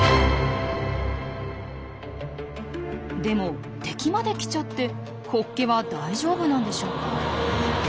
でも敵まで来ちゃってホッケは大丈夫なんでしょうか？